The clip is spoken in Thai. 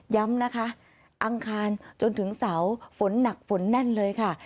ย้ำนะคะอังคารจนถึงเสาฝนหนักฝนแน่นเลยค่ะ